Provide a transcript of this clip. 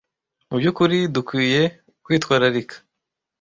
mubyukuri dukwiye kwitwararika